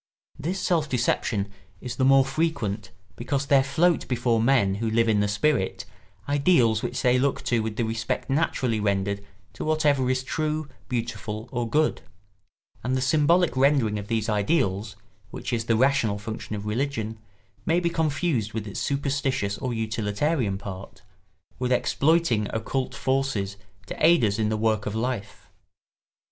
This self deception is the more frequent because there float before men who live in the spirit ideals which they look to with the respect naturally rendered to whatever is true, beautiful, or good; and the symbolic rendering of these ideals, which is the rational function of religion, may be confused with its superstitious or utilitarian part—with exploiting occult forces to aid us in the work of life.